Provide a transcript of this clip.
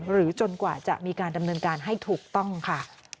จนกว่าจะมีการดำเนินการให้ถูกต้องค่ะ